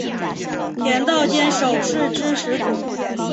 田道间守是之始祖。